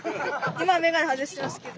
今眼鏡外してますけど。